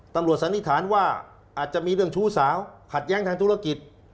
สันนิษฐานว่าอาจจะมีเรื่องชู้สาวขัดแย้งทางธุรกิจ